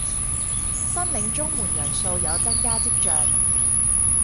申領綜援人數有增加跡象